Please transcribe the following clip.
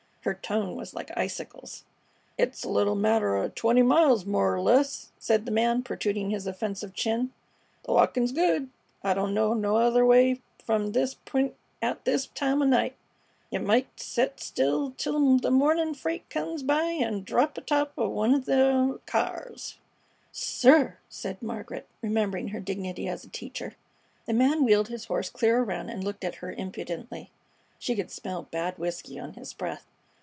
Her tone was like icicles. "It's a little matter o' twenty miles, more 'r less," said the man protruding his offensive chin. "The walkin's good. I don't know no other way from this p'int at this time o' night. Yeh might set still till th' mornin' freight goes by an' drap atop o' one of the kyars." "Sir!" said Margaret, remembering her dignity as a teacher. The man wheeled his horse clear around and looked up at her impudently. She could smell bad whisky on his breath.